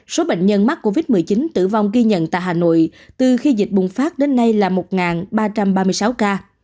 số bệnh nhân mắc covid một mươi chín tử vong ghi nhận tại hà nội từ khi dịch bùng phát đến nay là một ba trăm ba mươi sáu ca